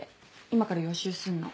今から予習すんの。